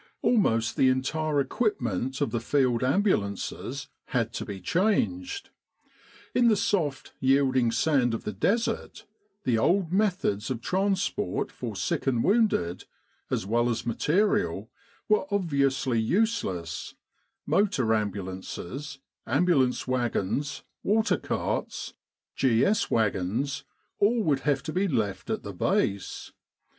Almost the entire equipment of the Field Ambulances had to be changed. In the soft, yielding sand of the Desert the old methods of transport for sick and wounded, as well as material, were obviously useless motor ambulances, ambul ance wagons, water carts, G.S. wagons, all would have to be left at the Base.